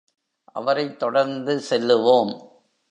அவரைத் தொடர்ந்து செல்லுவோம்.